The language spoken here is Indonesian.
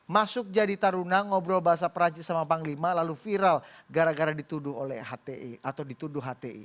masuk jadi taruna ngobrol bahasa perancis sama panglima lalu viral gara gara dituduh oleh hti atau dituduh hti